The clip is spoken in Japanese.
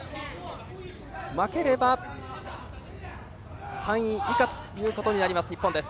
負ければ３位以下ということになります日本です。